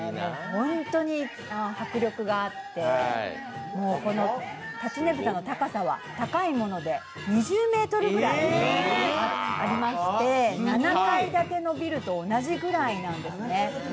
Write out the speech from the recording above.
本当に迫力があって、たちねぷたの高さは高いもので２０ｍぐらいありまして７階建てのビルと同じぐらいなんですね。